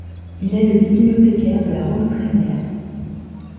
Il est le bibliothécaire de La rose trémière.